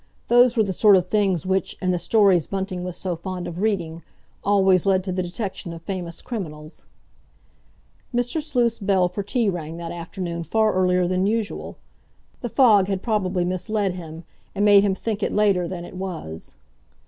Those were the sort of things which, in the stories Bunting was so fond of reading, always led to the detection of famous criminals. ... Mr. Sleuth's bell for tea rang that afternoon far earlier than usual. The fog had probably misled him, and made him think it later than it was.